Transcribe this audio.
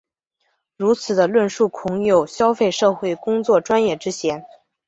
如此的论述恐有消费社会工作专业之嫌。